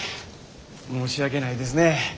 申し訳ないですね。